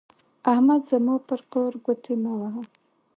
احمده زما پر کار ګوتې مه وهه.